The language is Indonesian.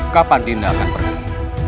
kapan dinda akan berada